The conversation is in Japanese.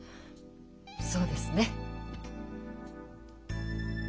そうですね。